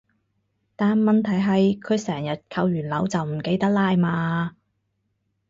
但問題係佢成日扣完鈕就唔記得拉嘛